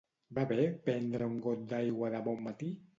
Va bé prendre un got d'aigua de bon matí?